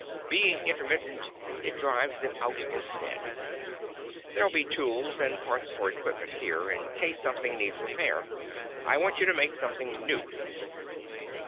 Being intermittent, it drives them out instead. There'll be tools and parts for equipment here, in case something needs repair. I want you to make something new."